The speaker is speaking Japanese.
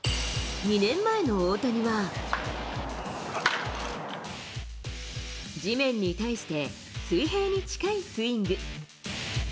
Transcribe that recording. ２年前の大谷は、地面に対して、水平に近いスイング。